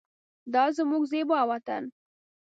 دا زمونږ زیبا وطن